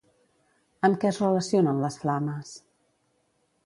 Amb què es relacionen les flames?